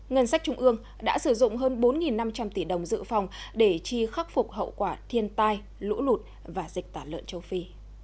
ngân sách trung ương đã sử dụng hơn bốn năm trăm linh tỷ đồng dự phòng để chi khắc phục hậu quả thiên tai lũ lụt và dịch tả lợn châu phi